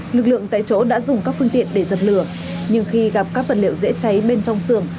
lực lượng tại chỗ đã dùng các phương tiện để giật lửa nhưng khi gặp các vật liệu dễ cháy bên trong xưởng